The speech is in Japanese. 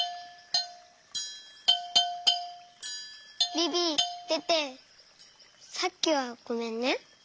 ビビテテさっきはごめんね。